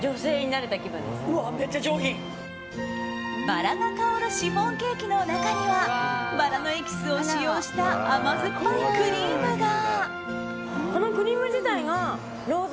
バラが香るシフォンケーキの中にはバラのエキスを使用した甘酸っぱいクリームが。